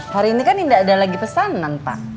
hari ini kan tidak ada lagi pesanan pak